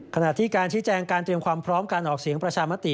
ขณะที่การชี้แจงการเตรียมความพร้อมการออกเสียงประชามติ